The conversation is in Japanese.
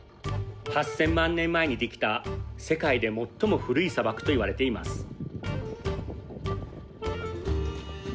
８０００万年前にできた世界で最も古い砂漠と言われています。